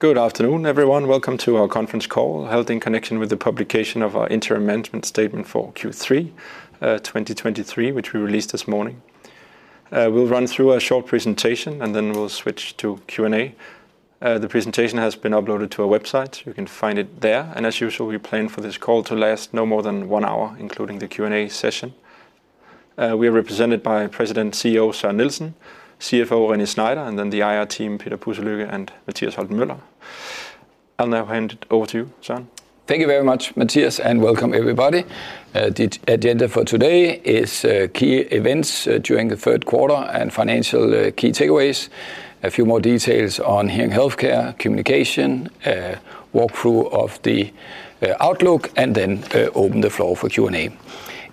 Good afternoon, everyone. Welcome to our conference call, held in connection with the publication of our interim management statement for Q3 2023, which we released this morning. We'll run through a short presentation, and then we'll switch to Q&A. The presentation has been uploaded to our website. You can find it there, and as usual, we plan for this call to last no more than one hour, including the Q&A session. We are represented by President CEO Søren Nielsen, CFO René Schneider, and then the IR team, Peter Pudsø Lykke and Mathias Holten Møller. I'll now hand it over to you, Søren. Thank you very much, Mathias, and welcome everybody. The agenda for today is, key events during the third quarter and financial, key takeaways. A few more details on hearing healthcare, communication, walkthrough of the, outlook, and then, open the floor for Q&A.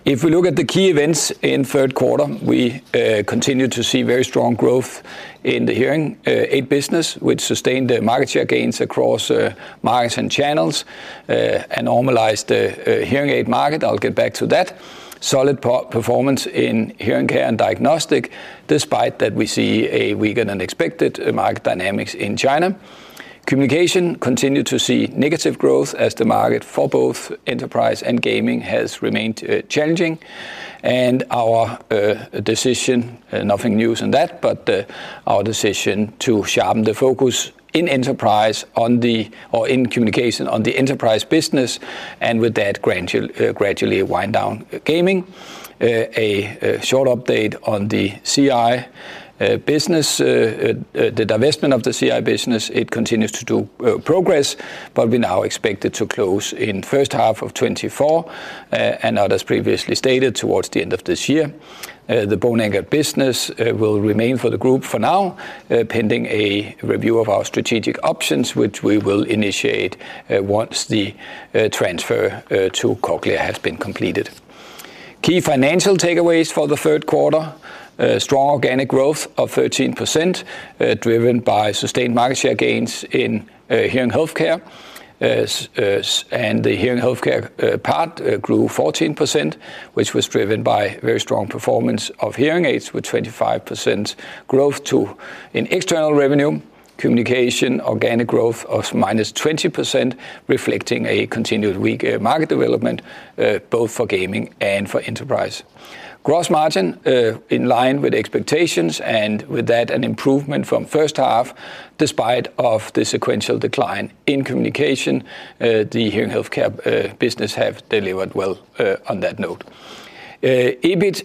If we look at the key events in third quarter, we continue to see very strong growth in the hearing, aid business, which sustained the market share gains across, markets and channels, and normalized the, hearing aid market. I'll get back to that. Solid performance in hearing care and diagnostics, despite that we see a weaker than expected market dynamics in China. Communication continued to see negative growth as the market for both enterprise and gaming has remained, challenging. Our decision, nothing new in that, but our decision to sharpen the focus in enterprise on the or in communication on the enterprise business, and with that, gradually wind down gaming. A short update on the CI business, the divestment of the CI business. It continues to progress, but we now expect it to close in first half of 2024, and not as previously stated, towards the end of this year. The Bone Anchored business will remain for the group for now, pending a review of our strategic options, which we will initiate once the transfer to Cochlear has been completed. Key financial takeaways for the third quarter, strong organic growth of 13%, driven by sustained market share gains in hearing healthcare. The hearing healthcare part grew 14%, which was driven by very strong performance of hearing aids, with 25% growth to an external revenue, communication, organic growth of -20%, reflecting a continued weak market development both for gaming and for enterprise. Gross margin in line with expectations, and with that, an improvement from first half, despite of the sequential decline in communication, the hearing healthcare business have delivered well on that note. EBIT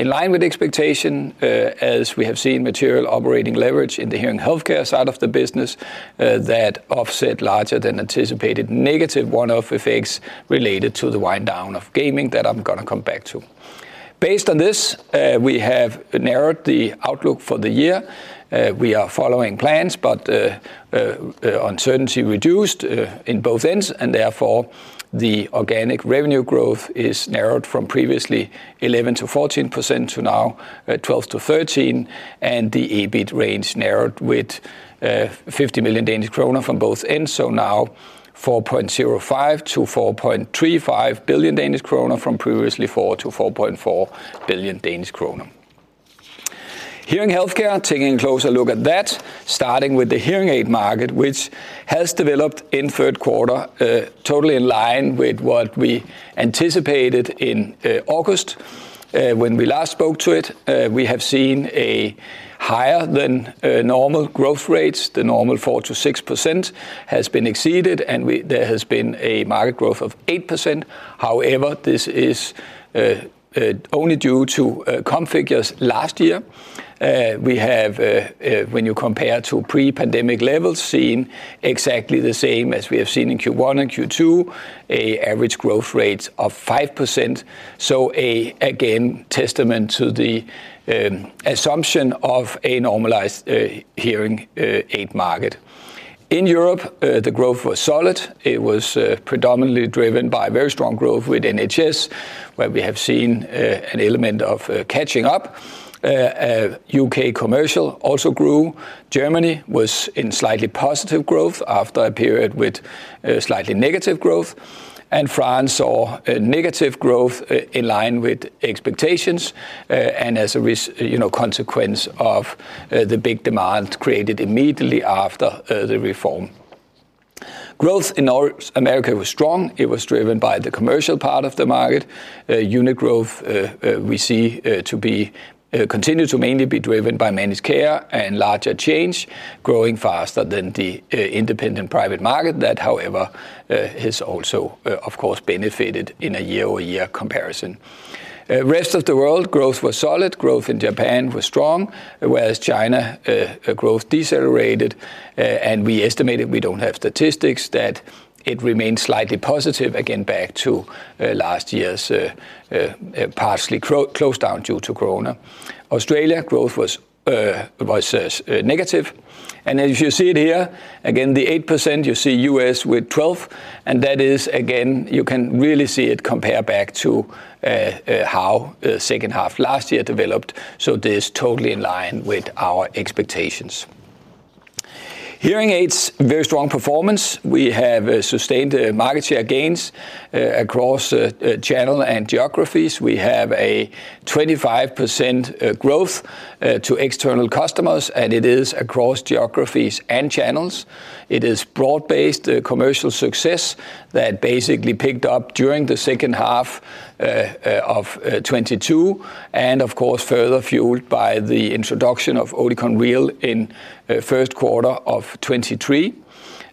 in line with expectation, as we have seen material operating leverage in the hearing healthcare side of the business, that offset larger than anticipated negative one-off effects related to the wind down of gaming that I'm gonna come back to. Based on this, we have narrowed the outlook for the year. We are following plans, but uncertainty reduced in both ends, and therefore, the organic revenue growth is narrowed from previously 11%-14% to now 12%-13%, and the EBIT range narrowed with 50 million Danish kroner from both ends, so now 4.05-4.35 billion Danish kroner from previously 4-4.4 billion Danish kroner. Hearing healthcare, taking a closer look at that, starting with the hearing aid market, which has developed in third quarter totally in line with what we anticipated in August when we last spoke to it. We have seen a higher than normal growth rates. The normal 4%-6% has been exceeded, and there has been a market growth of 8%. However, this is only due to comp figures last year. We have, when you compare to pre-pandemic levels, seen exactly the same as we have seen in Q1 and Q2, an average growth rate of 5%. So again, testament to the assumption of a normalized hearing aid market. In Europe, the growth was solid. It was predominantly driven by very strong growth with NHS, where we have seen an element of catching up. UK commercial also grew. Germany was in slightly positive growth after a period with slightly negative growth, and France saw a negative growth in line with expectations, and as a, you know, consequence of the big demand created immediately after the reform. Growth in North America was strong. It was driven by the commercial part of the market. Unit growth, we see to be continued to mainly be driven by managed care and larger chains, growing faster than the independent private market. That, however, has also, of course, benefited in a year-over-year comparison. Rest of the world, growth was solid. Growth in Japan was strong, whereas China, growth decelerated, and we estimated, we don't have statistics, that it remained slightly positive, again, back to last year's partially closed down due to Corona. Australia, growth was negative. And as you see it here, again, the 8%, you see U.S. with 12, and that is, again, you can really see it compare back to how second half last year developed. So this is totally in line with our expectations. Hearing aids, very strong performance. We have sustained market share gains across channel and geographies. We have a 25% growth to external customers, and it is across geographies and channels. It is broad-based commercial success that basically picked up during the second half of 2022, and of course, further fueled by the introduction of Oticon Real in first quarter of 2023.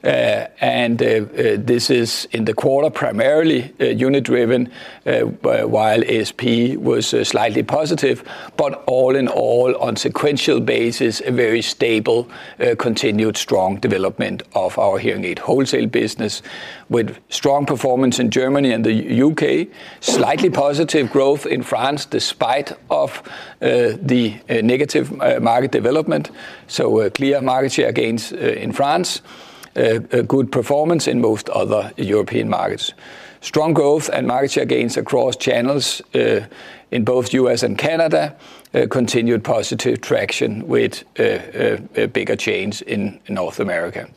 And this is in the quarter, primarily unit-driven by while ASP was slightly positive. But all in all, on sequential basis, a very stable continued strong development of our hearing aid wholesale business, with strong performance in Germany and the UK. Slightly positive growth in France, despite of the negative market development, so clear market share gains in France. A good performance in most other European markets. Strong growth and market share gains across channels in both U.S. and Canada. Continued positive traction with a bigger change in North America.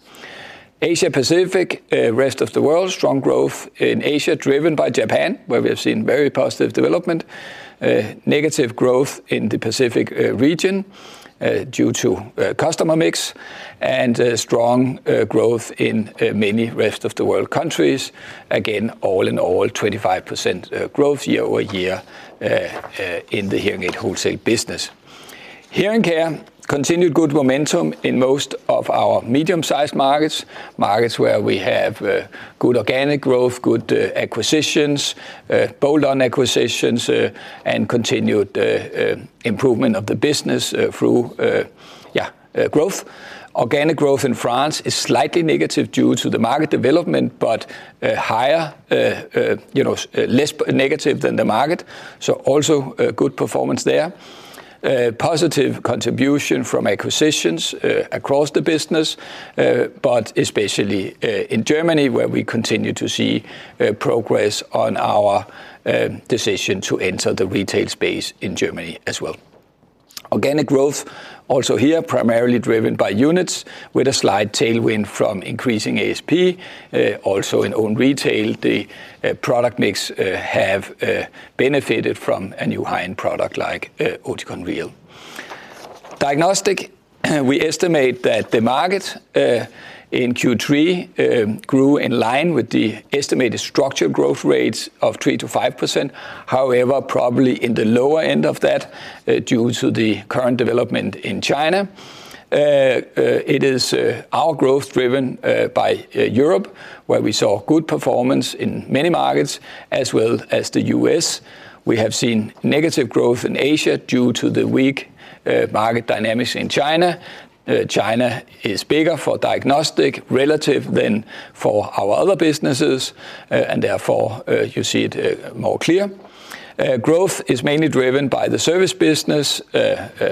Asia Pacific, rest of the world, strong growth in Asia, driven by Japan, where we have seen very positive development. Negative growth in the Pacific region due to customer mix, and strong growth in many rest-of-the-world countries. Again, all in all, 25% growth year-over-year in the hearing aid wholesale business. Hearing care continued good momentum in most of our medium-sized markets, markets where we have good organic growth, good acquisitions, bolt-on acquisitions, and continued improvement of the business through growth. Organic growth in France is slightly negative due to the market development, but higher, you know, less negative than the market, so also a good performance there. Positive contribution from acquisitions across the business, but especially in Germany, where we continue to see progress on our decision to enter the retail space in Germany as well. Organic growth, also here, primarily driven by units with a slight tailwind from increasing ASP. Also in own retail, the product mix have benefited from a new high-end product like Oticon Real. Diagnostics, we estimate that the market in Q3 grew in line with the estimated structural growth rates of 3%-5%. However, probably in the lower end of that due to the current development in China. It is our growth driven by Europe, where we saw good performance in many markets, as well as the US. We have seen negative growth in Asia due to the weak market dynamics in China. China is bigger for diagnostic relative than for our other businesses, and therefore, you see it more clear. Growth is mainly driven by the service business,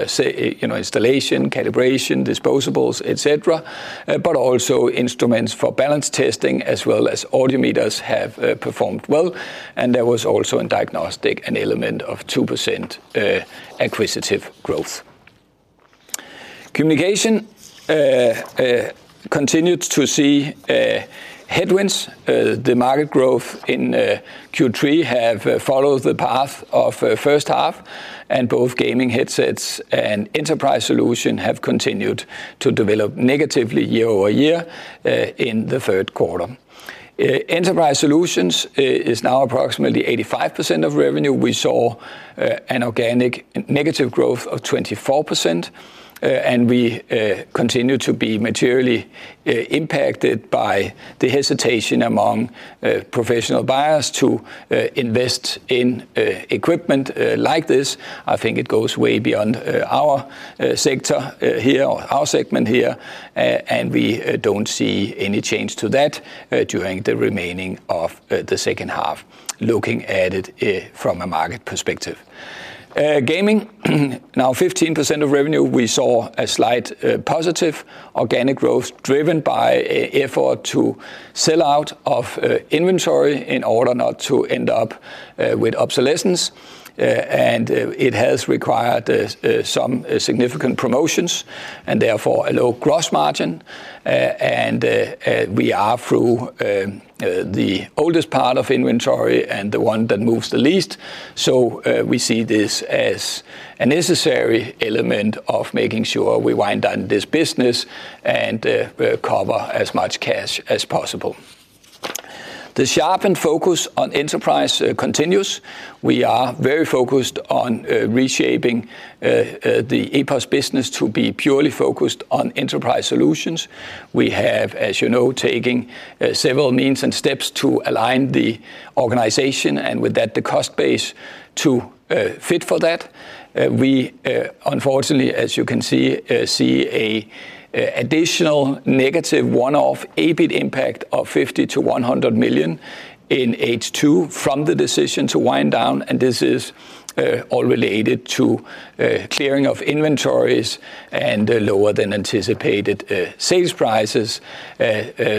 say, you know, installation, calibration, disposables, et cetera, but also instruments for balance testing, as well as audiometers have performed well, and there was also a diagnostic, an element of 2% acquisitive growth. Communication continued to see headwinds. The market growth in Q3 have followed the path of first half, and both gaming headsets and enterprise solution have continued to develop negatively year-over-year in the third quarter. Enterprise solutions is now approximately 85% of revenue. We saw an organic negative growth of 24%, and we continue to be materially impacted by the hesitation among professional buyers to invest in equipment like this. I think it goes way beyond our sector here or our segment here, and we don't see any change to that during the remaining of the second half, looking at it from a market perspective. Gaming, now 15% of revenue, we saw a slight positive organic growth, driven by a effort to sell out of inventory in order not to end up with obsolescence. It has required some significant promotions, and therefore, a low gross margin. We are through the oldest part of inventory and the one that moves the least. So, we see this as a necessary element of making sure we wind down this business and cover as much cash as possible. The sharpened focus on enterprise continues. We are very focused on reshaping the EPOS business to be purely focused on enterprise solutions. We have, as you know, taking several means and steps to align the organization, and with that, the cost base to fit for that. We unfortunately, as you can see, see an additional negative one-off EBIT impact of 50 million-100 million in H2 from the decision to wind down, and this is all related to clearing of inventories and lower than anticipated sales prices.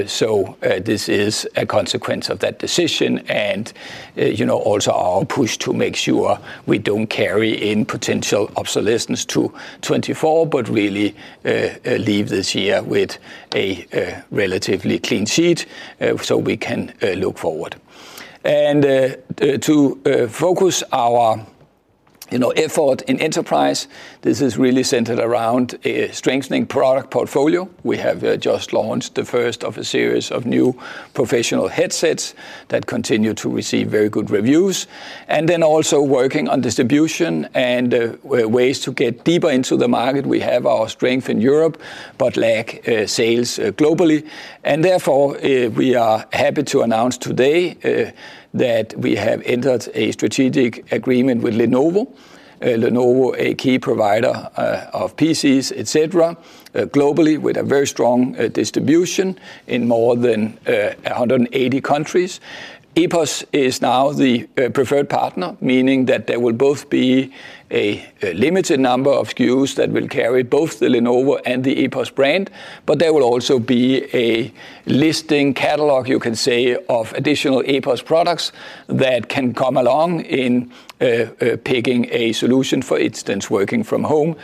So this is a consequence of that decision and, you know, also our push to make sure we don't carry any potential obsolescence to 2024, but really leave this year with a relatively clean sheet, so we can look forward. And to focus our effort in enterprise, this is really centered around a strengthening product portfolio. We have just launched the first of a series of new professional headsets that continue to receive very good reviews, and then also working on distribution and ways to get deeper into the market. We have our strength in Europe, but lack sales globally, and therefore we are happy to announce today that we have entered a strategic agreement with Lenovo. Lenovo, a key provider of PCs, et cetera, globally, with a very strong distribution in more than 180 countries. EPOS is now the preferred partner, meaning that there will both be a limited number of SKUs that will carry both the Lenovo and the EPOS brand, but there will also be a listing catalog, you can say, of additional EPOS products that can come along in picking a solution, for instance, working from home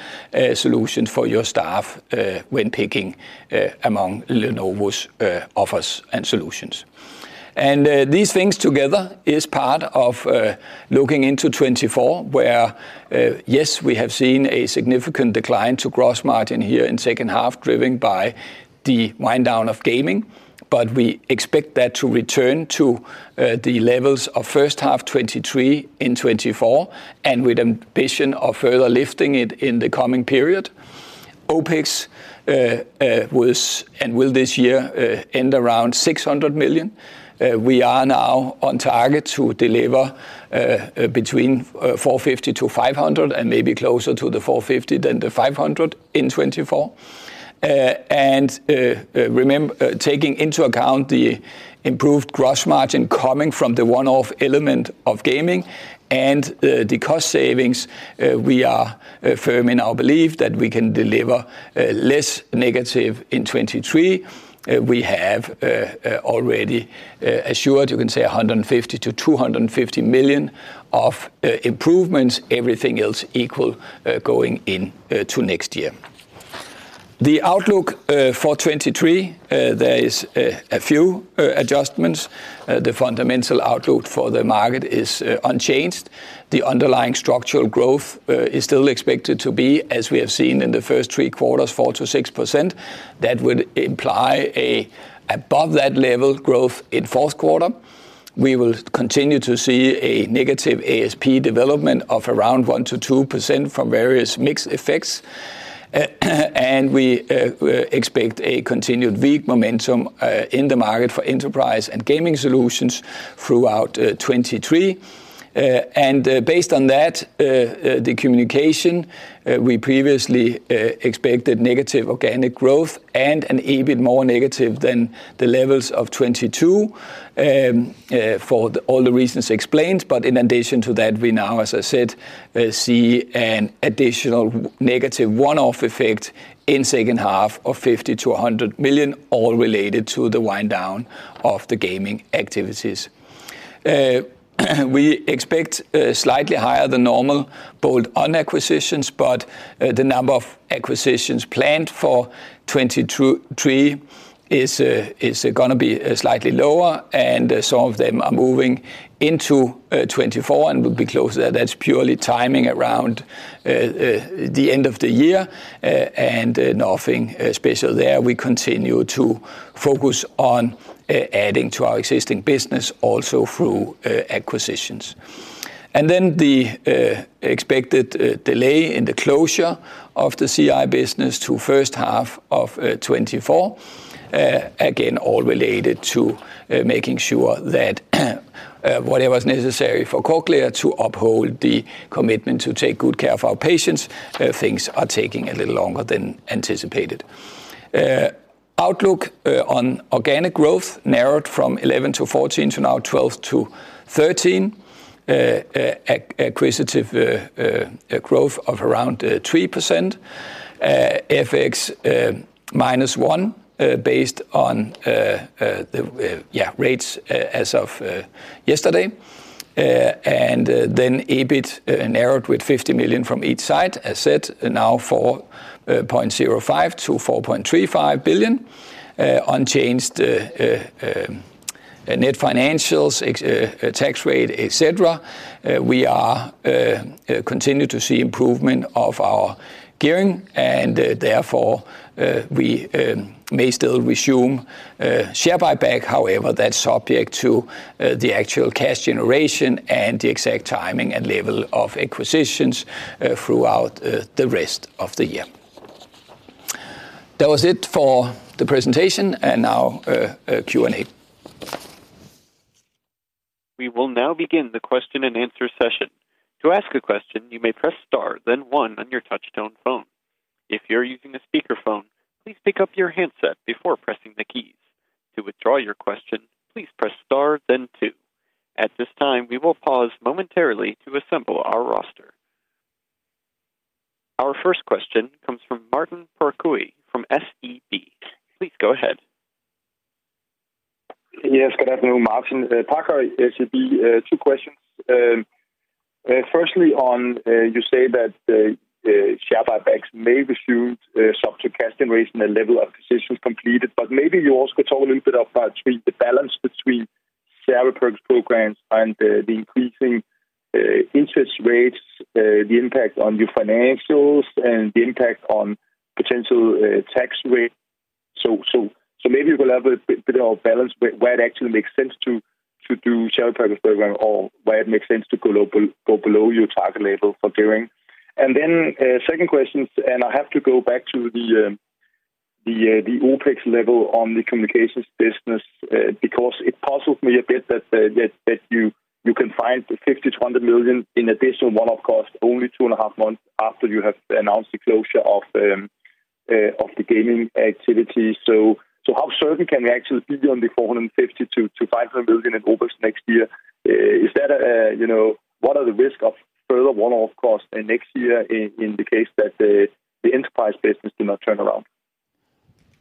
solution for your staff, when picking among Lenovo's offers and solutions. And these things together is part of looking into 2024, where yes, we have seen a significant decline to gross margin here in second half, driven by the wind down of gaming, but we expect that to return to the levels of first half 2023 in 2024, and with ambition of further lifting it in the coming period. OPEX was, and will this year, end around 600 million. We are now on target to deliver between 450 million-500 million, and maybe closer to the 450 million than the 500 million in 2024. Remember, taking into account the improved gross margin coming from the one-off element of gaming and the cost savings, we are firm in our belief that we can deliver less negative in 2023. We have already assured, you can say, 150 million-250 million of improvements, everything else equal, going in to next year. The outlook for 2023, there is a few adjustments. The fundamental outlook for the market is unchanged. The underlying structural growth is still expected to be, as we have seen in the first three quarters, 4%-6%. That would imply an above-that-level growth in fourth quarter. We will continue to see a negative ASP development of around 1%-2% from various mix effects, and we expect a continued weak momentum in the market for enterprise and gaming solutions throughout 2023. And based on that, the communication we previously expected negative organic growth and an EBIT more negative than the levels of 2022, for all the reasons explained. But in addition to that, we now, as I said, see an additional negative one-off effect in second half of 50 million-100 million, all related to the wind down of the gaming activities. We expect slightly higher than normal both on acquisitions, but the number of acquisitions planned for 2023 is gonna be slightly lower, and some of them are moving into 2024 and will be closed there. That's purely timing around the end of the year, and nothing special there. We continue to focus on adding to our existing business also through acquisitions. And then the expected delay in the closure of the CI business to first half of 2024, again, all related to making sure that whatever is necessary for Cochlear to uphold the commitment to take good care of our patients, things are taking a little longer than anticipated. Outlook on organic growth narrowed from 11%-14% to now 12%-13%, acquisitive growth of around 3%, FX -1%, based on the rates as of yesterday. And then EBIT narrowed with 50 million from each side, as said, now 4.05 billion-4.35 billion, unchanged net financials, ex tax rate, et cetera. We continue to see improvement of our gearing, and therefore, we may still resume share buyback. However, that's subject to the actual cash generation and the exact timing and level of acquisitions throughout the rest of the year. That was it for the presentation, and now Q&A. We will now begin the question-and-answer session. To ask a question, you may press star, then one on your touchtone phone. If you're using a speakerphone, please pick up your handset before pressing the keys. To withdraw your question, please press star, then two. At this time, we will pause momentarily to assemble our roster. Our first question comes from Martin Parkhøi from SEB. Please go ahead. Yes, good afternoon. Martin Parkhøi, SEB. Two questions. Firstly, on, you say that share buybacks may resume, subject to cash generation and level of positions completed, but maybe you also could talk a little bit about between the balance between-... share perks programs and, the increasing, interest rates, the impact on your financials and the impact on potential, tax rate. So, so, so maybe we'll have a bit, bit of balance where, where it actually makes sense to, to do share purchase program or where it makes sense to go low, go below your target level for gearing. And then, second question, and I have to go back to the, the, the OPEX level on the communications business, because it puzzles me a bit that, that, that you, you can find 50 million-100 million in additional one-off cost, only two and a half months after you have announced the closure of, of the gaming activity. How certain can we actually be on the 450 million-500 million in OPEX next year? Is that, you know, what are the risk of further one-off costs in next year in the case that the enterprise business do not turn around?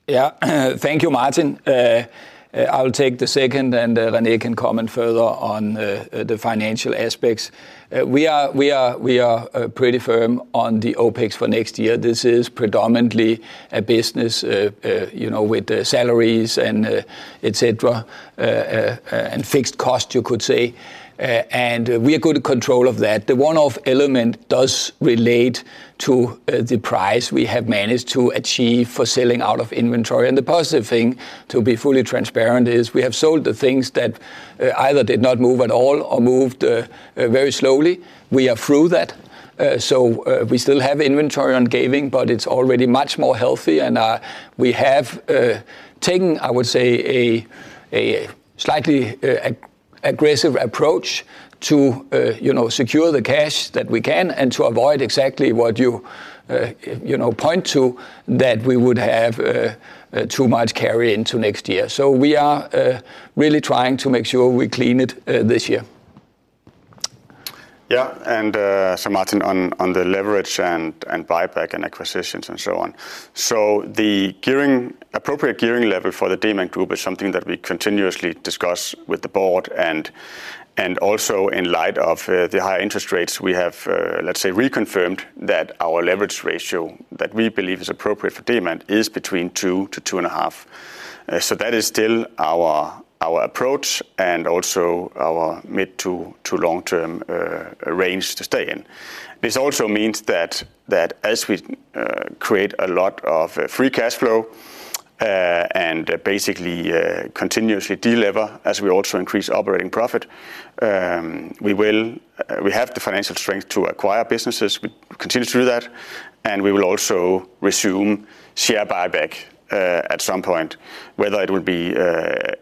Yeah. Thank you, Martin. I will take the second, and René can comment further on the financial aspects. We are pretty firm on the OPEX for next year. This is predominantly a business, you know, with salaries and et cetera, and fixed cost, you could say. And we are good control of that. The one-off element does relate to the price we have managed to achieve for selling out of inventory. And the positive thing, to be fully transparent, is we have sold the things that either did not move at all or moved very slowly. We are through that. So, we still have inventory on gaming, but it's already much more healthy. We have taken, I would say, a slightly aggressive approach to, you know, secure the cash that we can, and to avoid exactly what you, you know, point to, that we would have too much carry into next year. So we are really trying to make sure we clean it this year. Yeah, and so Martin, on the leverage and buyback and acquisitions and so on. So the appropriate gearing level for the Demant group is something that we continuously discuss with the board and also in light of the high interest rates we have, let's say, reconfirmed that our leverage ratio, that we believe is appropriate for Demant, is between two to two and a half. So that is still our approach and also our mid- to long-term range to stay in. This also means that as we create a lot of free cash flow and basically continuously delivers, as we also increase operating profit, we have the financial strength to acquire businesses. We continue to do that, and we will also resume share buyback at some point. Whether it would be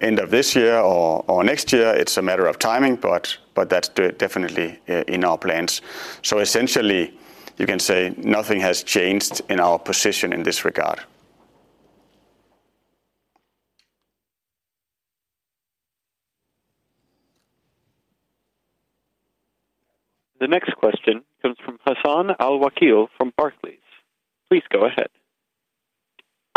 end of this year or next year, it's a matter of timing, but that's definitely in our plans. So essentially, you can say nothing has changed in our position in this regard. The next question comes from Hassan Al-Wakeel, from Barclays. Please go ahead.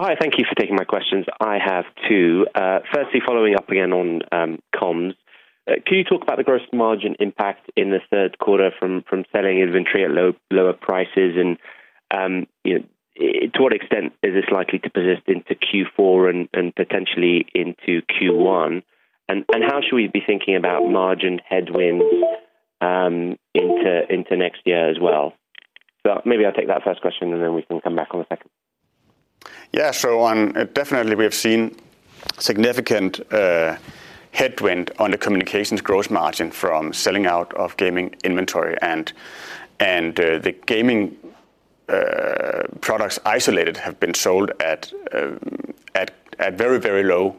Hi, thank you for taking my questions. I have two. Firstly, following up again on comms. Can you talk about the gross margin impact in the third quarter from selling inventory at lower prices? And you know, to what extent is this likely to persist into Q4 and potentially into Q1? And how should we be thinking about margin headwinds into next year as well? So maybe I'll take that first question, and then we can come back on the second. Yeah. So definitely we have seen significant headwind on the communications gross margin from selling out of gaming inventory. And the gaming products isolated have been sold at very, very low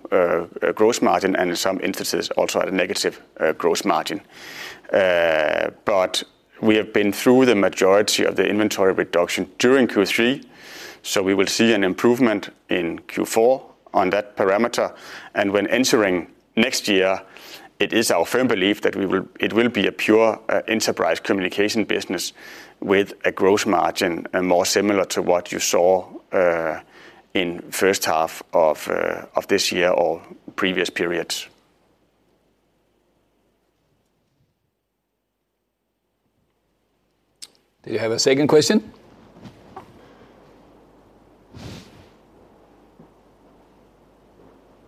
gross margin, and in some instances, also at a negative gross margin. But we have been through the majority of the inventory reduction during Q3, so we will see an improvement in Q4 on that parameter. And when entering next year, it is our firm belief that we will it will be a pure enterprise communication business with a gross margin, and more similar to what you saw in first half of this year or previous periods. Do you have a second question?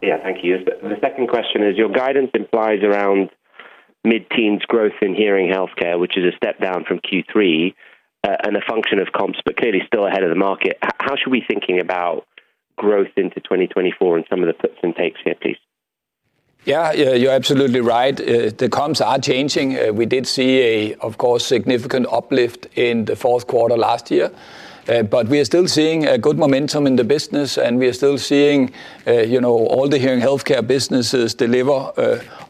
Yeah, thank you. The second question is, your guidance implies around mid-teens growth in hearing healthcare, which is a step down from Q3 and a function of comps, but clearly still ahead of the market. How should we be thinking about growth into 2024 and some of the puts and takes here, please? Yeah, yeah, you're absolutely right. The comps are changing. We did see, of course, significant uplift in the fourth quarter last year. But we are still seeing good momentum in the business, and we are still seeing, you know, all the hearing healthcare businesses deliver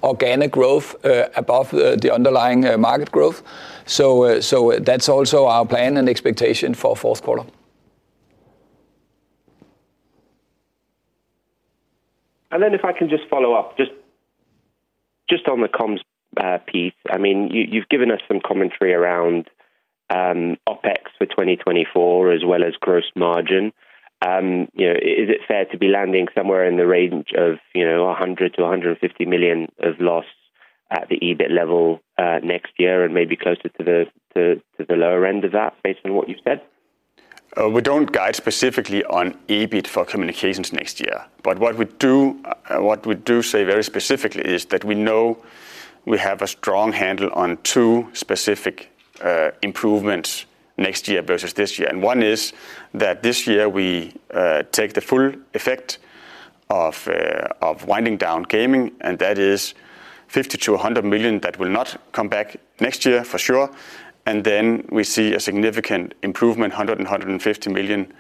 organic growth above the underlying market growth. So that's also our plan and expectation for fourth quarter. And then if I can just follow up, just on the comms piece. I mean, you, you've given us some commentary around OPEX for 2024, as well as gross margin. You know, is it fair to be landing somewhere in the range of, you know, 100 million-150 million of loss at the EBIT level, next year, and maybe closer to the lower end of that, based on what you've said?... We don't guide specifically on EBIT for communications next year. But what we do say very specifically is that we know we have a strong handle on two specific improvements next year versus this year. And one is that this year we take the full effect of winding down gaming, and that is 50-100 million that will not come back next year for sure. And then we see a significant improvement, 100-150 million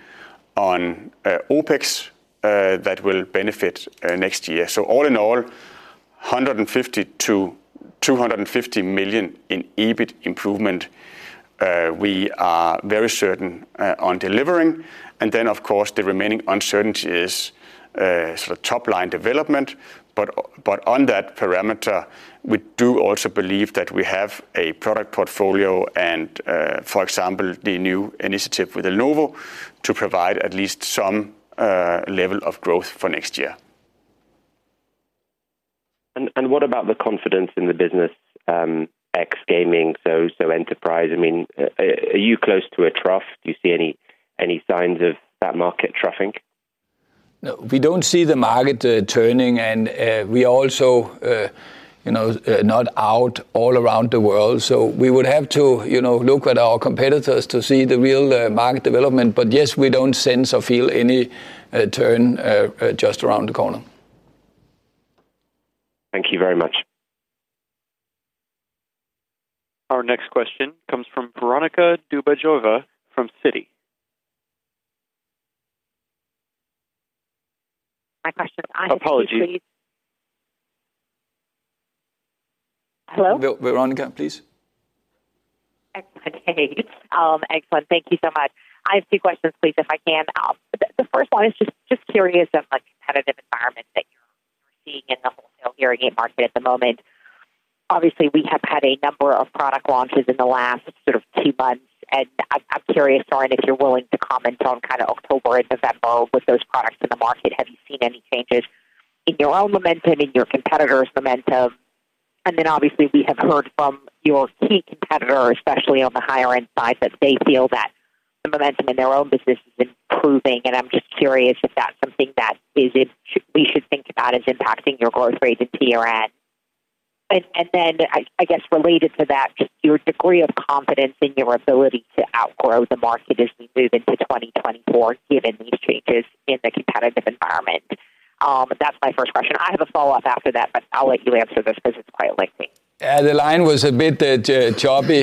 on OpEx that will benefit next year. So all in all, 150-250 million in EBIT improvement we are very certain on delivering. And then, of course, the remaining uncertainty is sort of top-line development. But on that parameter, we do also believe that we have a product portfolio and, for example, the new initiative with Lenovo, to provide at least some level of growth for next year. What about the confidence in the business, ex gaming, so enterprise? I mean, are you close to a trough? Do you see any signs of that market troughing? No, we don't see the market turning, and we also, you know, not out all around the world. So we would have to, you know, look at our competitors to see the real market development. But yes, we don't sense or feel any turn just around the corner. Thank you very much. Our next question comes from Veronika Dubajova from Citi. My question- Apologies. Hello? Veronica, please. Okay. Excellent. Thank you so much. I have two questions, please, if I can. The first one is just curious of, like, competitive environment that you're seeing in the whole, you know, hearing aid market at the moment. Obviously, we have had a number of product launches in the last sort of two months, and I'm curious to learn if you're willing to comment on kind of October into November with those products in the market. Have you seen any changes in your own momentum, in your competitors' momentum? And then, obviously, we have heard from your key competitor, especially on the higher-end side, that they feel that the momentum in their own business is improving. And I'm just curious if that's something that we should think about as impacting your growth rate in TRN? Then, I guess, related to that, just your degree of confidence in your ability to outgrow the market as we move into 2024, given these changes in the competitive environment. That's my first question. I have a follow-up after that, but I'll let you answer this because it's quite lengthy. Yeah, the line was a bit choppy,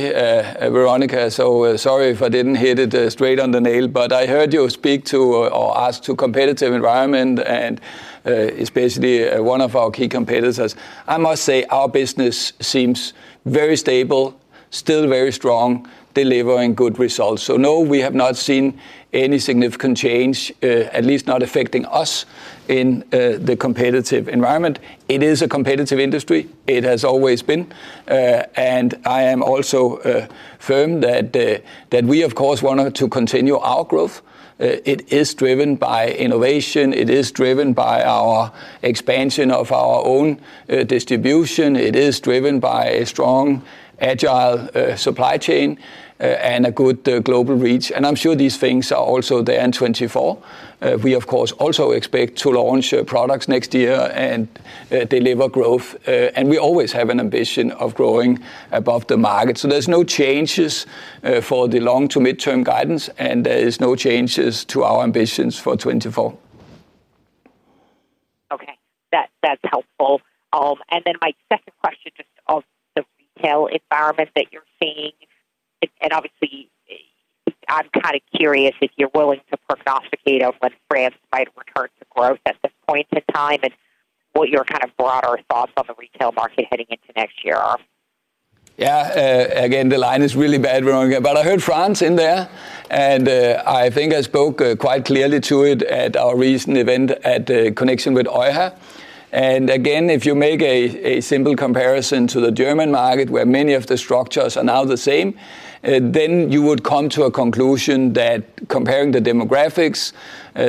Veronica, so sorry if I didn't hit it straight on the nail, but I heard you speak to or ask to competitive environment, and especially one of our key competitors. I must say, our business seems very stable, still very strong, delivering good results. So no, we have not seen any significant change, at least not affecting us in the competitive environment. It is a competitive industry. It has always been. And I am also firm that that we, of course, want to continue our growth. It is driven by innovation, it is driven by our expansion of our own distribution, it is driven by a strong, agile supply chain, and a good global reach. And I'm sure these things are also there in 2024. We, of course, also expect to launch products next year and deliver growth, and we always have an ambition of growing above the market. So there's no changes for the long to mid-term guidance, and there is no changes to our ambitions for 2024. Okay. That, that's helpful. And then my second question, just of the retail environment that you're seeing, and obviously, I'm kind of curious if you're willing to prognosticate on when France might return to growth at this point in time, and what your kind of broader thoughts on the retail market heading into next year are? Yeah, again, the line is really bad, Veronica, but I heard France in there, and I think I spoke quite clearly to it at our recent event at the connection with EUHA. And again, if you make a simple comparison to the German market, where many of the structures are now the same, then you would come to a conclusion that comparing the demographics,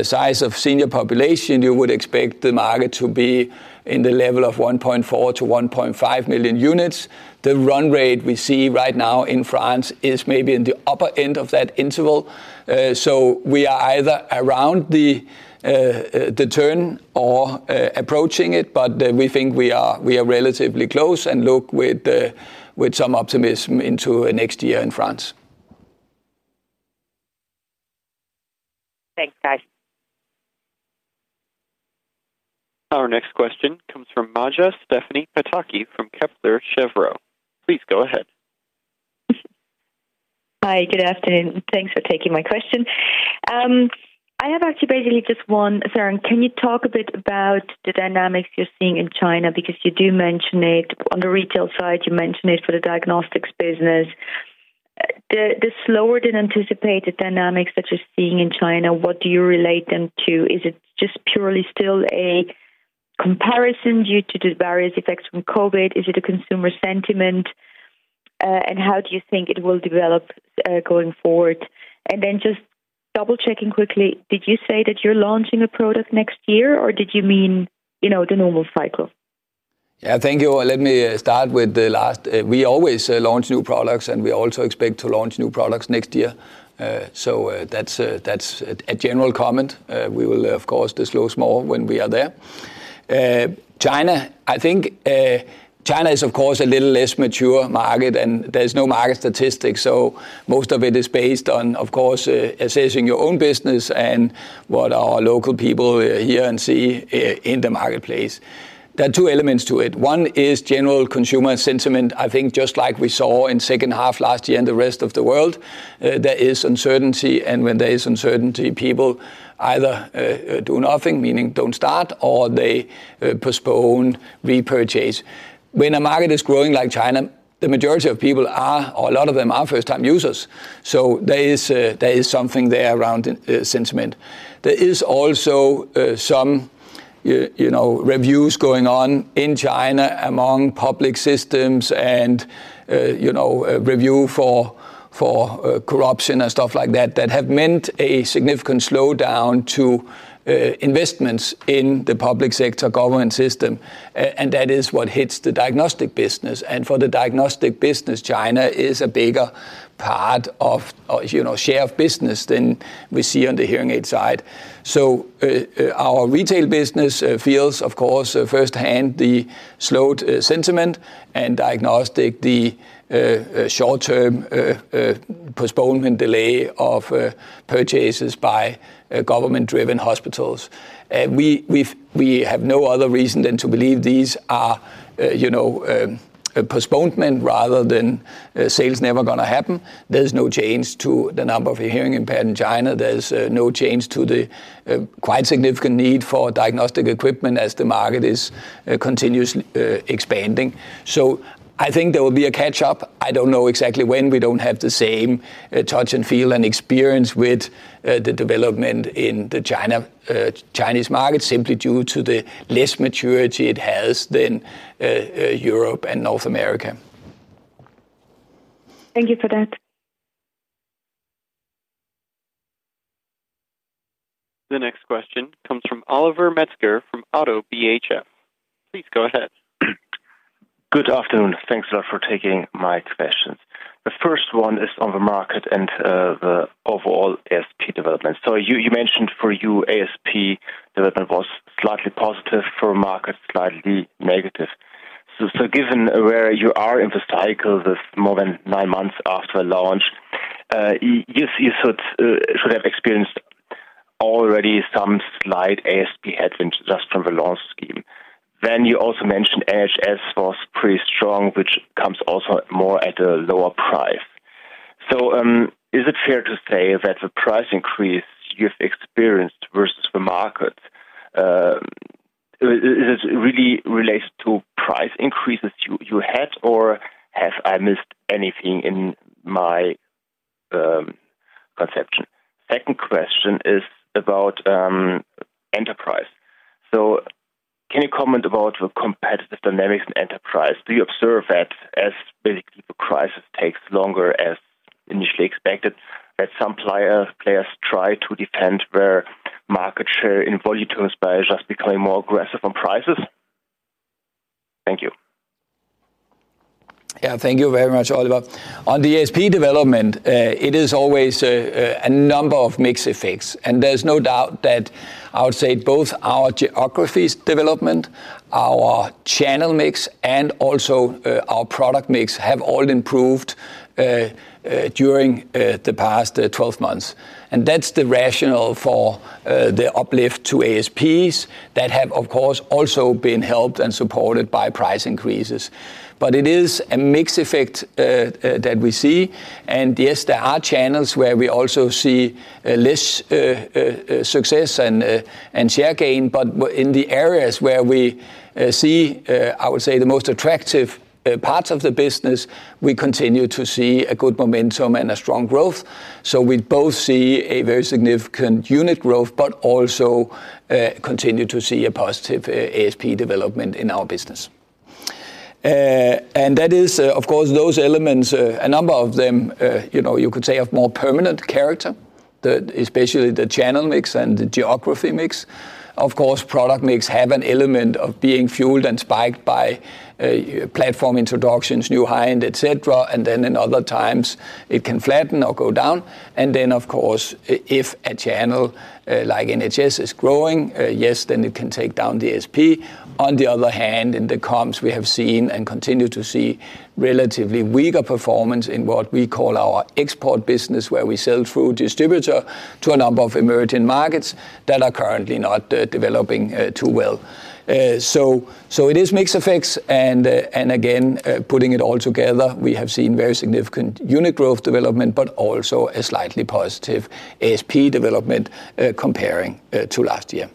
size of senior population, you would expect the market to be in the level of 1.4-1.5 million units. The run rate we see right now in France is maybe in the upper end of that interval, so we are either around the turn or approaching it, but we think we are relatively close and look with some optimism into next year in France. Thanks, guys. Our next question comes from Maja Pataki from Kepler Cheuvreux. Please go ahead. Hi, good afternoon. Thanks for taking my question. I have actually basically just one. Søren, can you talk a bit about the dynamics you're seeing in China? Because you do mention it on the retail side, you mention it for the diagnostics business. The slower than anticipated dynamics that you're seeing in China, what do you relate them to? Is it just purely still a comparison due to the various effects from COVID? Is it a consumer sentiment, and how do you think it will develop going forward? And then just double-checking quickly, did you say that you're launching a product next year, or did you mean, you know, the normal cycle?... Yeah, thank you. Let me start with the last. We always launch new products, and we also expect to launch new products next year. So, that's a general comment. We will, of course, disclose more when we are there. China, I think, China is, of course, a little less mature market, and there's no market statistics, so most of it is based on, of course, assessing your own business and what our local people hear and see in the marketplace. There are two elements to it. One is general consumer sentiment. I think, just like we saw in second half last year and the rest of the world, there is uncertainty, and when there is uncertainty, people either do nothing, meaning don't start, or they postpone repurchase. When a market is growing like China, the majority of people are, or a lot of them, are first-time users, so there is something there around sentiment. There is also some, you know, reviews going on in China among public systems and, you know, review for corruption and stuff like that, that have meant a significant slowdown to investments in the public sector government system. And that is what hits the diagnostic business. And for the diagnostic business, China is a bigger part of, you know, share of business than we see on the hearing aid side. So, our retail business feels, of course, firsthand, the slowed sentiment and diagnostic, the short-term postponement, delay of purchases by government-driven hospitals. We have no other reason than to believe these are, you know, a postponement rather than sales never gonna happen. There's no change to the number of hearing impaired in China. There's no change to the quite significant need for diagnostic equipment as the market is continuously expanding. I think there will be a catch-up. I don't know exactly when. We don't have the same touch and feel and experience with the development in the Chinese market, simply due to the less maturity it has than Europe and North America. Thank you for that. The next question comes from Oliver Metzger, from Oddo BHF. Please go ahead. Good afternoon. Thanks a lot for taking my questions. The first one is on the market and the overall ASP development. So you mentioned for you, ASP development was slightly positive, for market, slightly negative. So given where you are in this cycle, this more than nine months after launch, you should have experienced already some slight ASP headwinds just from the launch scheme. Then you also mentioned NHS was pretty strong, which comes also more at a lower price. So is it fair to say that the price increase you've experienced versus the market is really related to price increases you had, or have I missed anything in my conception? Second question is about enterprise. So can you comment about the competitive dynamics in enterprise? Do you observe that as basically the crisis takes longer as initially expected, that some player, players try to defend their market share in volume terms by just becoming more aggressive on prices? Thank you. Yeah, thank you very much, Oliver. On the ASP development, it is always a number of mixed effects, and there's no doubt that I would say both our geographies development, our channel mix, and also our product mix have all improved during the past 12 months. And that's the rationale for the uplift to ASPs that have, of course, also been helped and supported by price increases. But it is a mixed effect that we see. And yes, there are channels where we also see less success and share gain. But in the areas where we see, I would say, the most attractive parts of the business, we continue to see a good momentum and a strong growth. So we both see a very significant unit growth, but also continue to see a positive ASP development in our business. And that is, of course, those elements, a number of them, you know, you could say, of more permanent character, the, especially the channel mix and the geography mix. Of course, product mix have an element of being fueled and spiked by platform introductions, new high-end, et cetera. And then in other times, it can flatten or go down. And then, of course, if a channel, like NHS, is growing, yes, then it can take down the ASP. On the other hand, in the comms we have seen and continue to see relatively weaker performance in what we call our export business, where we sell through distributor to a number of emerging markets that are currently not developing too well. So it is mixed effects, and again, putting it all together, we have seen very significant unit growth development, but also a slightly positive ASP development, comparing to last year.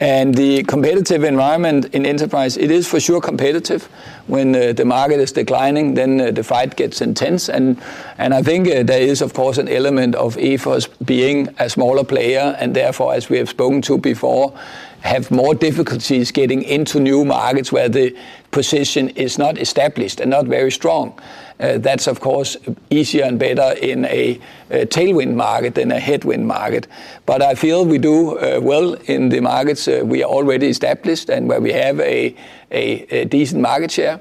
The competitive environment in enterprise, it is for sure competitive. When the market is declining, then the fight gets intense. I think there is, of course, an element of EPOS being a smaller player, and therefore, as we have spoken to before, have more difficulties getting into new markets where the position is not established and not very strong. That's, of course, easier and better in a tailwind market than a headwind market. But I feel we do well in the markets we are already established and where we have a decent market share,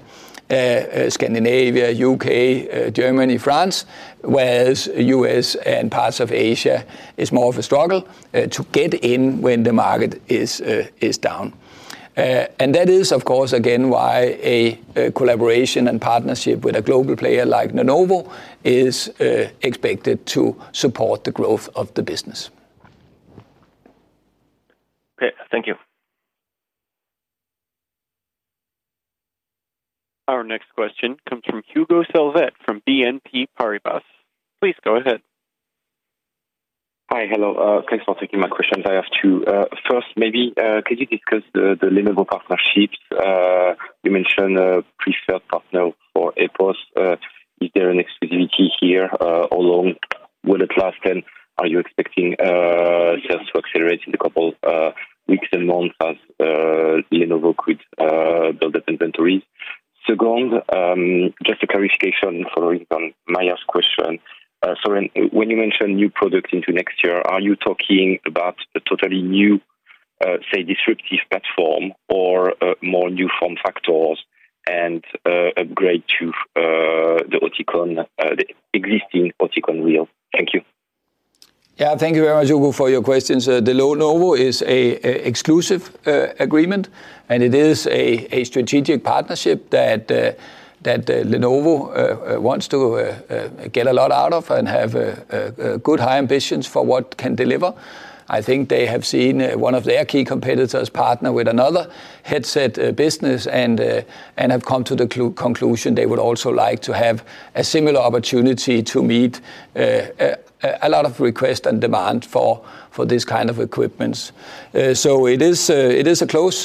Scandinavia, U.K., Germany, France, whereas U.S. and parts of Asia is more of a struggle to get in when the market is down. And that is, of course, again, why a collaboration and partnership with a global player like Lenovo is expected to support the growth of the business. Okay, thank you. Our next question comes from Hugo Solvet, from BNP Paribas. Please go ahead. Hi. Hello, thanks for taking my questions. I have two. First, maybe, could you discuss the Lenovo partnerships? You mentioned a preferred partner for EPOS. Is there an exclusivity here? How long will it last, and are you expecting sales to accelerate in the couple weeks and months as Lenovo could build its inventory? Second, just a clarification following on Maya's question. So when you mention new products into next year, are you talking about a totally new, say, disruptive platform or more new form factors and upgrade to the Oticon, the existing Oticon Real? Thank you. Yeah, thank you very much, Hugo, for your questions. The Lenovo is a exclusive agreement, and it is a strategic partnership that Lenovo wants to get a lot out of and have good high ambitions for what can deliver. I think they have seen one of their key competitors partner with another headset business, and have come to the conclusion they would also like to have a similar opportunity to meet a lot of requests and demand for this kind of equipments. So it is a close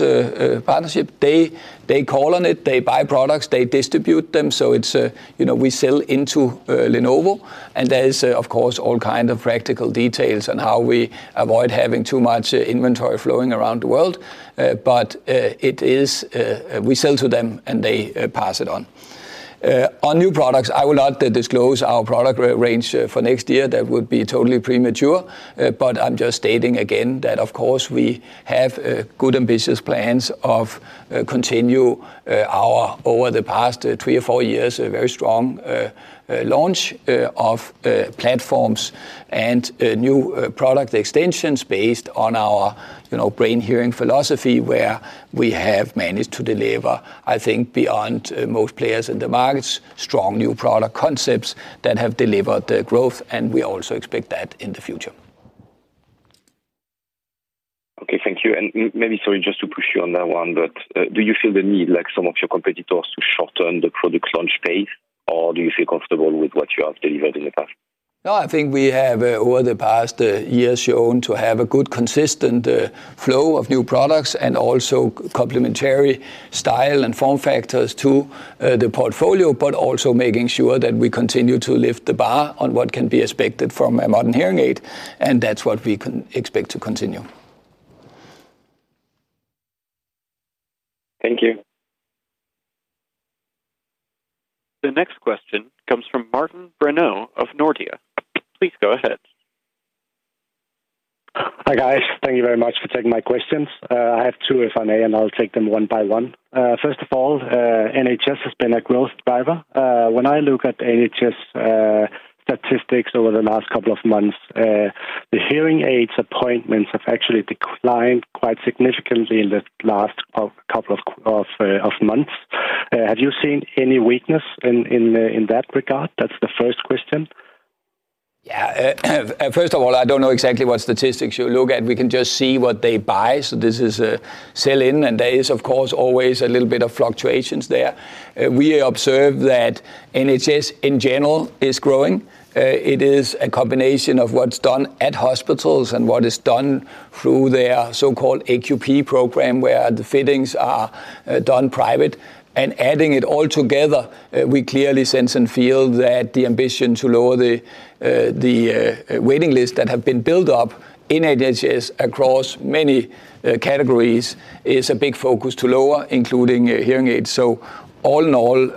partnership. They call on it, they buy products, they distribute them. So it's, you know, we sell into Lenovo, and there is, of course, all kind of practical details on how we avoid having too much inventory flowing around the world. But, it is, we sell to them, and they pass it on. On new products, I will not disclose our product range for next year. That would be totally premature. But I'm just stating again that, of course, we have good ambitious plans of continue our over the past three or four years, a very strong launch of platforms and new product extensions based on our, you know, BrainHearing philosophy, where we have managed to deliver, I think, beyond most players in the markets, strong new product concepts that have delivered the growth, and we also expect that in the future. Okay, thank you. And maybe, sorry, just to push you on that one, but do you feel the need, like some of your competitors, to shorten the product launch pace, or do you feel comfortable with what you have delivered in the past? No, I think we have over the past years shown to have a good, consistent flow of new products and also complementary style and form factors to the portfolio, but also making sure that we continue to lift the bar on what can be expected from a modern hearing aid, and that's what we can expect to continue. Thank you. The next question comes from Martin Brenøe of Nordea. Please go ahead. Hi, guys. Thank you very much for taking my questions. I have two, if I may, and I'll take them one by one. First of all, NHS has been a growth driver. When I look at NHS statistics over the last couple of months, the hearing aids appointments have actually declined quite significantly in the last couple of months. Have you seen any weakness in that regard? That's the first question. Yeah. First of all, I don't know exactly what statistics you look at. We can just see what they buy. So this is a sell-in, and there is, of course, always a little bit of fluctuations there. We observe that NHS in general is growing. It is a combination of what's done at hospitals and what is done through their so-called AQP program, where the fittings are done private. And adding it all together, we clearly sense and feel that the ambition to lower the waiting list that have been built up in NHS across many categories is a big focus to lower, including hearing aids. So all in all,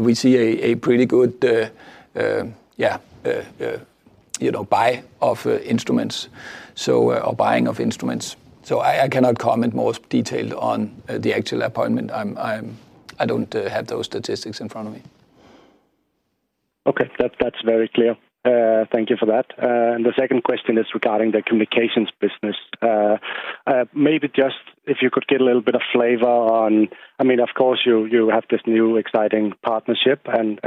we see a pretty good, you know, buy of instruments, so or buying of instruments. I cannot comment more detailed on the actual appointment. I don't have those statistics in front of me. Okay, that, that's very clear. Thank you for that. And the second question is regarding the communications business. Maybe just if you could get a little bit of flavor on... I mean, of course, you have this new exciting partnership, and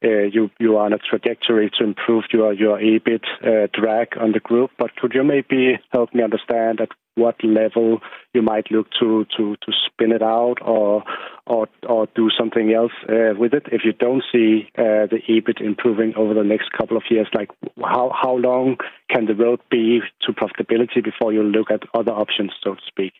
you are on a trajectory to improve your EBIT drag on the group, but could you maybe help me understand at what level? You might look to spin it out or do something else with it if you don't see the EBIT improving over the next couple of years? Like, how long can the road be to profitability before you look at other options, so to speak?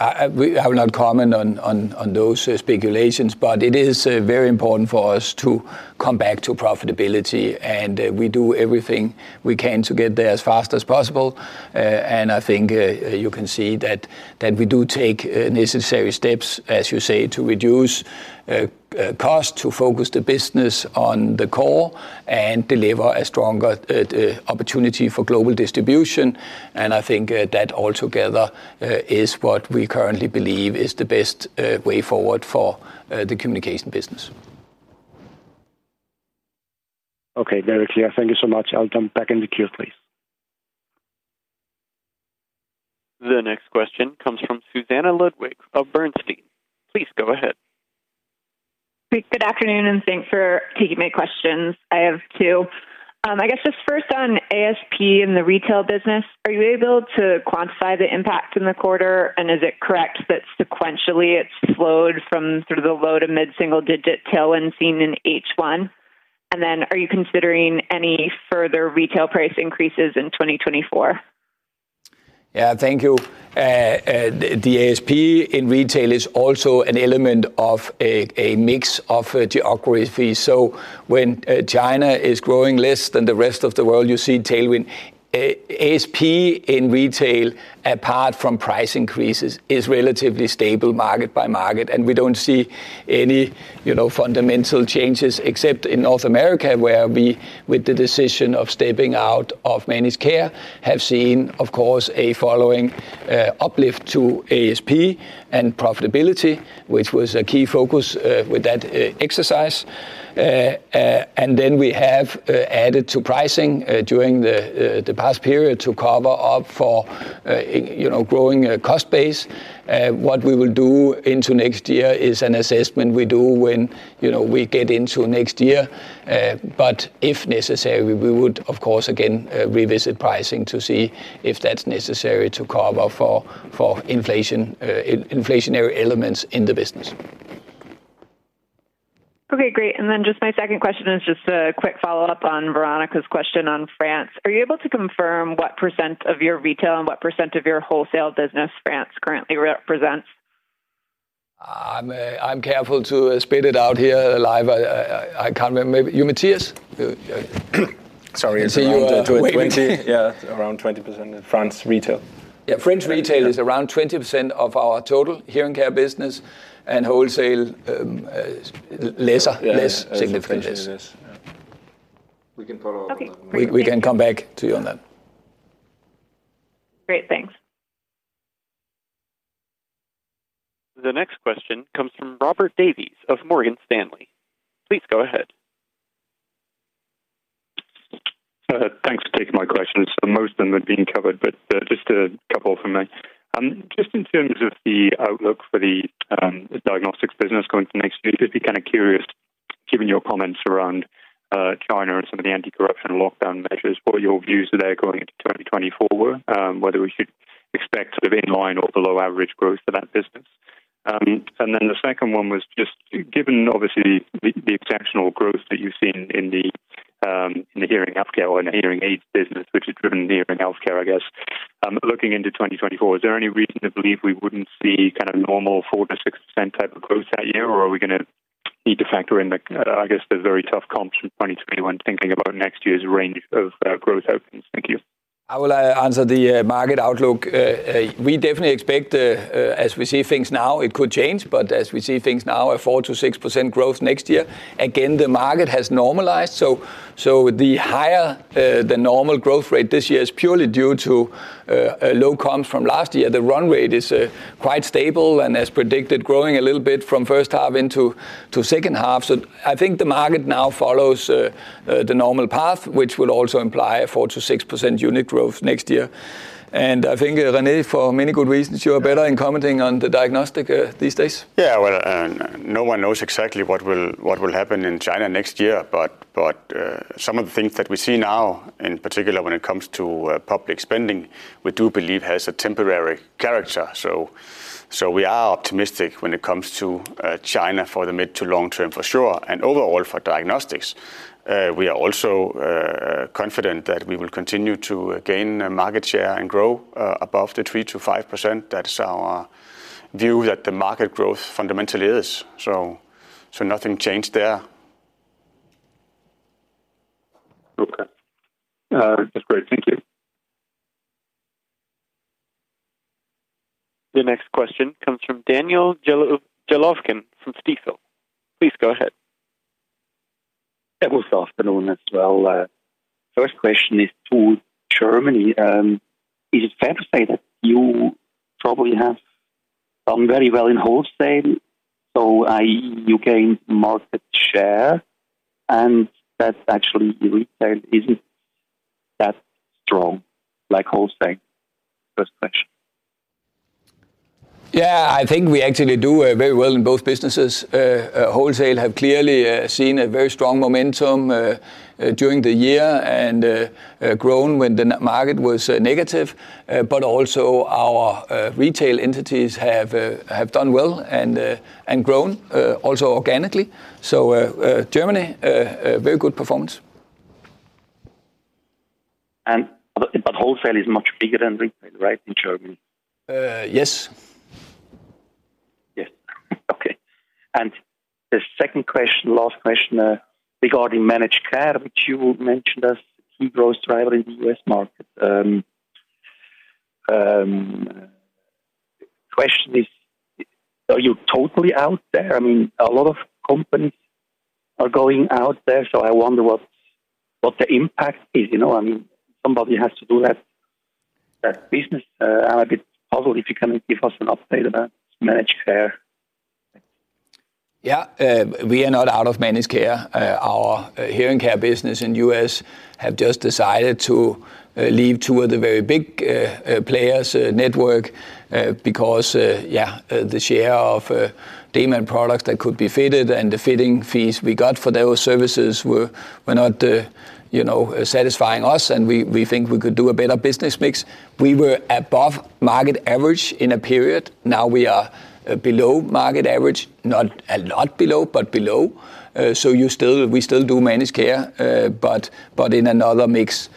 I will not comment on those speculations, but it is very important for us to come back to profitability, and we do everything we can to get there as fast as possible. And I think you can see that we do take necessary steps, as you say, to reduce cost, to focus the business on the core and deliver a stronger opportunity for global distribution. And I think that altogether is what we currently believe is the best way forward for the communication business. Okay, very clear. Thank you so much. I'll jump back in the queue, please. The next question comes from Susannah Ludwig of Bernstein. Please go ahead. Good afternoon, and thanks for taking my questions. I have two. I guess just first on ASP and the retail business, are you able to quantify the impact in the quarter? And is it correct that sequentially it's flowed from sort of the low to mid-single digit tailwind seen in H1? And then, are you considering any further retail price increases in 2024? Yeah, thank you. The ASP in retail is also an element of a mix of geography. So when China is growing less than the rest of the world, you see tailwind. ASP in retail, apart from price increases, is relatively stable market by market, and we don't see any, you know, fundamental changes, except in North America, where we, with the decision of stepping out of managed care, have seen, of course, a following uplift to ASP and profitability, which was a key focus with that exercise. And then we have added to pricing during the past period to cover up for, you know, growing cost base. What we will do into next year is an assessment we do when, you know, we get into next year. But if necessary, we would, of course, again, revisit pricing to see if that's necessary to cover for inflation, inflationary elements in the business. Okay, great. Then just my second question is just a quick follow-up on Veronika's question on France. Are you able to confirm what % of your retail and what % of your wholesale business France currently represents? I'm careful to spit it out here live. I can't remember. Maybe you, Mathias? Sorry, it's around 20. Yeah. Around 20% in France retail. Yeah, French retail is around 20% of our total hearing care business, and wholesale, less significant. Yes, it is. We can follow up. Okay. We can come back to you on that. Great. Thanks. The next question comes from Robert Davies of Morgan Stanley. Please go ahead. Thanks for taking my questions. Most of them have been covered, but just a couple from me. Just in terms of the outlook for the diagnostics business going to next year, just be kind of curious, given your comments around China and some of the anti-corruption lockdown measures, what are your views there going into 2024 were? Whether we should expect sort of in line or below average growth for that business. And then the second one was just, given obviously the exceptional growth that you've seen in the hearing healthcare or in the hearing aid business, which has driven the hearing healthcare, I guess. Looking into 2024, is there any reason to believe we wouldn't see kind of normal 4%-6% type of growth that year, or are we gonna need to factor in the, I guess, the very tough comps from 2021, thinking about next year's range of growth openings? Thank you. I will answer the market outlook. We definitely expect, as we see things now, it could change, but as we see things now, a 4%-6% growth next year. Again, the market has normalized, so the higher the normal growth rate this year is purely due to a low comps from last year. The run rate is quite stable and as predicted, growing a little bit from first half into second half. So I think the market now follows the normal path, which will also imply a 4%-6% unit growth next year. And I think, René, for many good reasons, you are better in commenting on the diagnostics these days. Yeah, well, and no one knows exactly what will happen in China next year, but some of the things that we see now, in particular, when it comes to public spending, we do believe has a temporary character. So we are optimistic when it comes to China for the mid to long term, for sure, and overall for diagnostics. We are also confident that we will continue to gain market share and grow above the 3%-5%. That's our view, that the market growth fundamentally is, so nothing changed there. Okay. That's great. Thank you. The next question comes from Daniel Jelovcan from Stifel. Please go ahead. Yeah, good afternoon as well. First question is to Germany. Is it fair to say that you probably have done very well in wholesale, so, i.e., you gain market share, and that actually the retail isn't that strong, like, wholesale? First question. ... Yeah, I think we actually do very well in both businesses. Wholesale have clearly seen a very strong momentum during the year and grown when the market was negative. But also our retail entities have done well and grown also organically. So, Germany, a very good performance. Wholesale is much bigger than retail, right? In Germany? Uh, yes. Yes. Okay. And the second question, last question, regarding managed care, which you mentioned as key growth driver in the U.S. market. Question is, are you totally out there? I mean, a lot of companies are going out there, so I wonder what the impact is, you know, I mean, somebody has to do that, that business. And if it's possible, if you can give us an update about managed care. Yeah. We are not out of managed care. Our hearing care business in U.S. have just decided to leave two of the very big players network because yeah, the share of demand products that could be fitted and the fitting fees we got for those services were, were not, you know, satisfying us, and we think we could do a better business mix. We were above market average in a period, now we are below market average, not a lot below, but below. So you still- we still do managed care, but in another mix.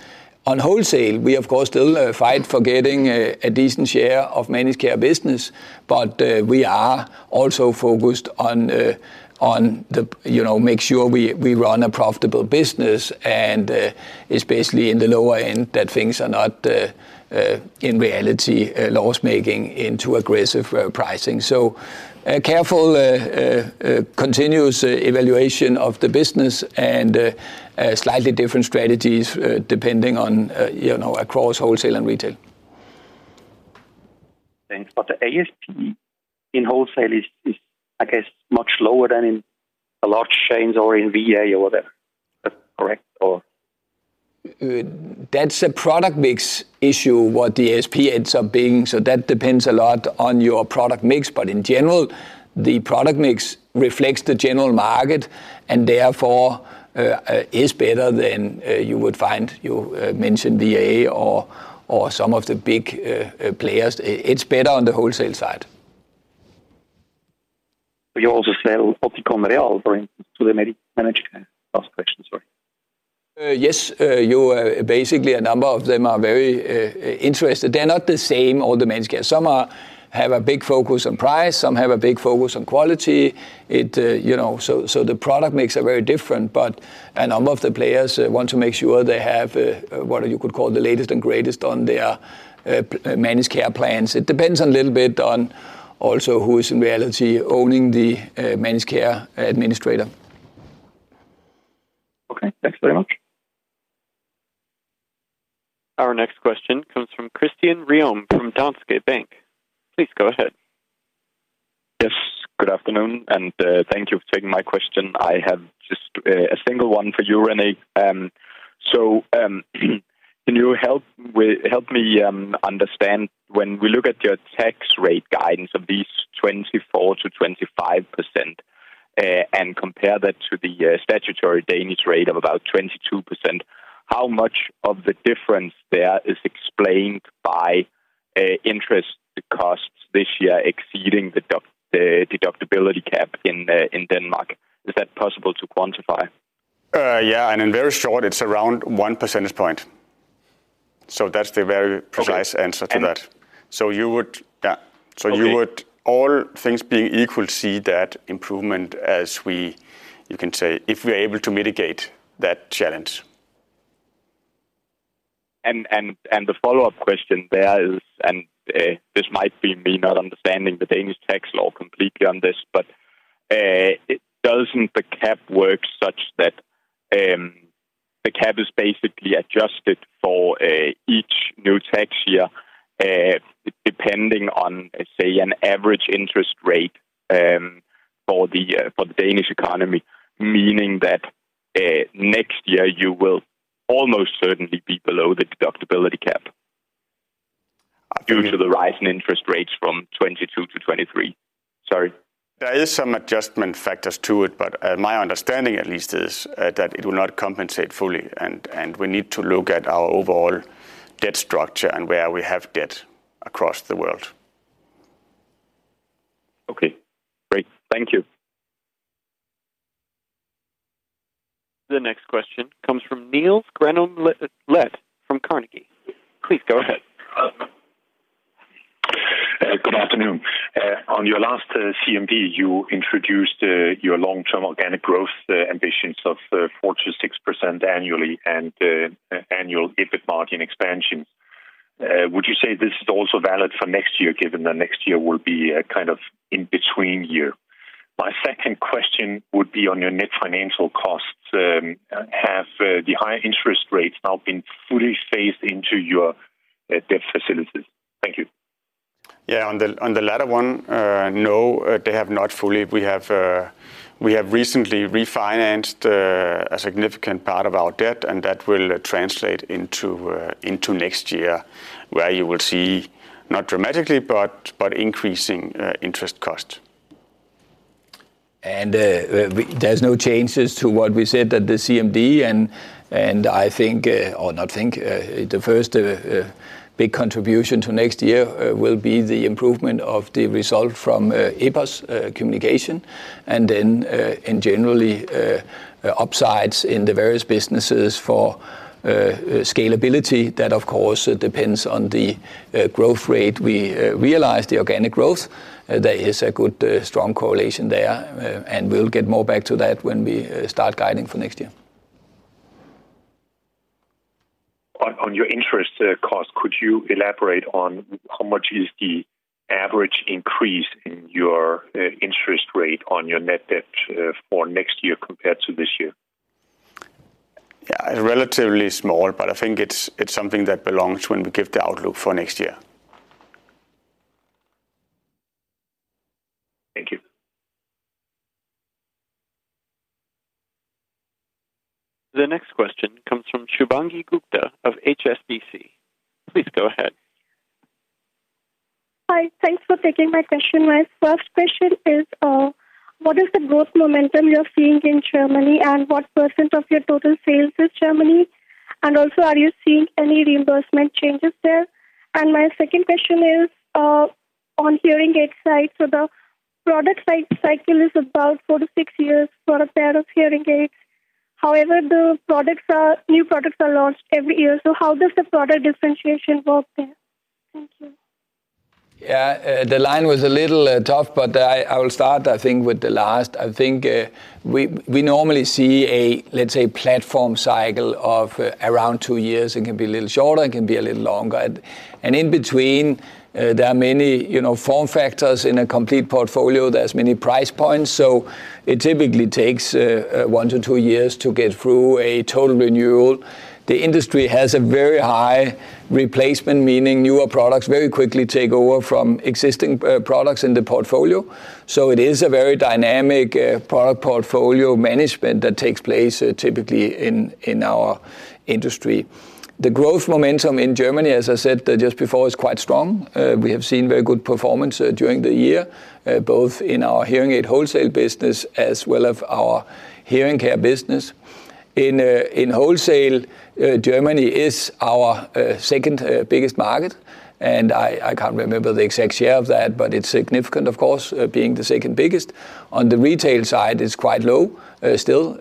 On wholesale, we of course still fight for getting a decent share of managed care business, but we are also focused on the, you know, make sure we run a profitable business, and it's basically in the lower end that things are not in reality loss-making into aggressive pricing. So a careful continuous evaluation of the business and a slightly different strategies depending on, you know, across wholesale and retail. Thanks. But the ASP in wholesale is, I guess, much lower than in a large chains or in VA or whatever. Is that correct or? That's a product mix issue, what the ASP ends up being, so that depends a lot on your product mix. But in general, the product mix reflects the general market, and therefore, is better than you would find. You mentioned VA or some of the big players. It's better on the wholesale side. But you also sell Oticon Real, for instance, to the managed care? Last question, sorry. Yes. You basically, a number of them are very interested. They're not the same, all the managed care. Some have a big focus on price, some have a big focus on quality. It, you know, so the product makes it very different. But a number of the players want to make sure they have what you could call the latest and greatest on their managed care plans. It depends on a little bit on also who is in reality owning the managed care administrator. Okay, thanks very much. Our next question comes from Christian Ryom, from Danske Bank. Please go ahead. Yes, good afternoon, and thank you for taking my question. I have just a single one for you, René. So, can you help me understand, when we look at your tax rate guidance of these 24%-25%, and compare that to the statutory Danish rate of about 22%, how much of the difference there is explained by interest costs this year exceeding the deductibility cap in Denmark? Is that possible to quantify? Yeah, and in very short, it's around one percentage point. So that's the very precise- Okay. Answer to that. So you would... Yeah. Okay. So you would, all things being equal, see that improvement as you can say, if we're able to mitigate that challenge. The follow-up question there is, this might be me not understanding the Danish tax law completely on this, but doesn't the cap work such that the cap is basically adjusted for each new tax year depending on, let's say, an average interest rate for the Danish economy, meaning that next year you will almost certainly be below the deductibility cap due to the rise in interest rates from 2022 to 2023. Sorry. There is some adjustment factors to it, but, my understanding at least, is, that it will not compensate fully, and we need to look at our overall debt structure and where we have debt across the world. Okay, great. Thank you. The next question comes from Niels Granholm-Leth from Carnegie. Please go ahead. Good afternoon. On your last CMD, you introduced your long-term organic growth, the ambitions of 4%-6% annually and annual EBIT margin expansion. Would you say this is also valid for next year, given that next year will be a kind of in between year? My second question would be on your net financial costs. Have the high interest rates now been fully phased into your debt facilities? Thank you. Yeah, on the latter one, no, they have not fully. We have recently refinanced a significant part of our debt, and that will translate into next year, where you will see, not dramatically, but increasing interest cost. And there's no changes to what we said at the CMD, and I think, or not think, the first big contribution to next year will be the improvement of the result from EPOS communication, and then and generally upsides in the various businesses for scalability. That, of course, it depends on the growth rate. We realize the organic growth, there is a good strong correlation there, and we'll get more back to that when we start guiding for next year. On your interest cost, could you elaborate on how much is the average increase in your interest rate on your net debt for next year compared to this year? Yeah, relatively small, but I think it's something that belongs when we give the outlook for next year. Thank you. The next question comes from Shubhangi Gupta of HSBC. Please go ahead. Hi, thanks for taking my question. My first question is, what is the growth momentum you're seeing in Germany, and what % of your total sales is Germany? And also, are you seeing any reimbursement changes there? And my second question is, on hearing aid side. So the product cycle is about four to six years for a pair of hearing aids, however, new products are launched every year, so how does the product differentiation work there? Thank you. Yeah, the line was a little tough, but I will start, I think, with the last. I think we normally see a, let's say, platform cycle of around two years. It can be a little shorter, it can be a little longer. And in between there are many, you know, form factors in a complete portfolio, there's many price points, so it typically takes one to two years to get through a total renewal. The industry has a very high replacement, meaning newer products very quickly take over from existing products in the portfolio. So it is a very dynamic product portfolio management that takes place typically in our industry. The growth momentum in Germany, as I said just before, is quite strong. We have seen very good performance during the year both in our hearing aid wholesale business as well as our hearing care business. In wholesale, Germany is our second biggest market, and I can't remember the exact share of that, but it's significant of course, being the second biggest. On the retail side, it's quite low still.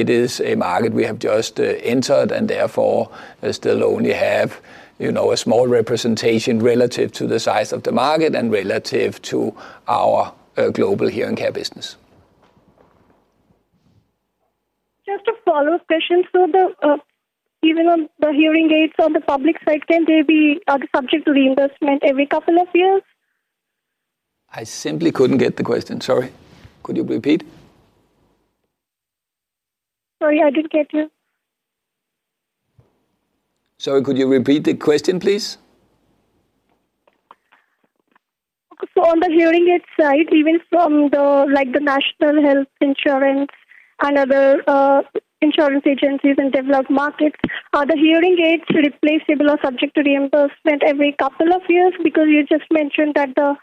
It is a market we have just entered, and therefore still only have, you know, a small representation relative to the size of the market and relative to our global hearing care business. Just a follow-up question. So even on the hearing aids on the public side, can they be subject to reimbursement every couple of years? I simply couldn't get the question, sorry. Could you repeat? Sorry, I didn't get you. Sorry, could you repeat the question, please? On the hearing aid side, even from the, like, the national health insurance and other, insurance agencies in developed markets, are the hearing aids replaceable or subject to reimbursement every couple of years? Because you just mentioned that the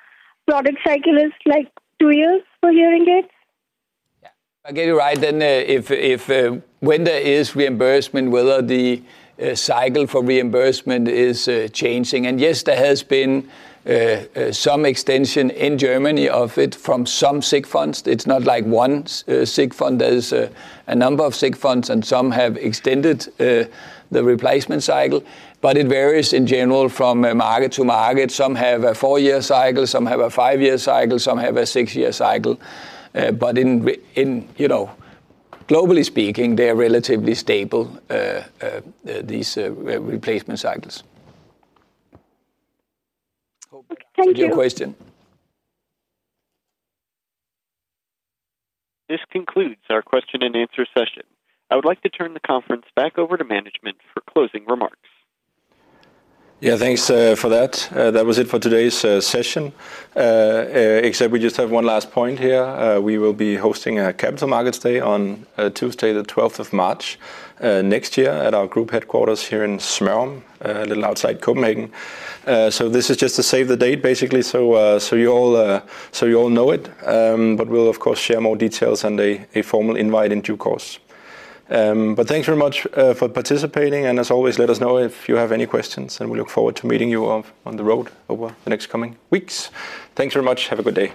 product cycle is, like, two years for hearing aids. Yeah. I get it right then, if, if, when there is reimbursement, whether the cycle for reimbursement is changing. And yes, there has been some extension in Germany of it from some sick funds. It's not like one sick fund. There's a number of sick funds, and some have extended the replacement cycle, but it varies in general from a market to market. Some have a four-year cycle, some have a five-year cycle, some have a six-year cycle. But in, you know, globally speaking, they are relatively stable these replacement cycles. Thank you. Hope I answered your question. This concludes our question and answer session. I would like to turn the conference back over to management for closing remarks. Yeah, thanks for that. That was it for today's session. We just have one last point here. We will be hosting a capital markets day on Tuesday, the twelfth of March next year at our group headquarters here in Smørum, little outside Copenhagen. So this is just to save the date, basically, so you all know it. But we'll, of course, share more details and a formal invite in due course. But thanks very much for participating, and as always, let us know if you have any questions, and we look forward to meeting you on the road over the next coming weeks. Thanks very much. Have a good day!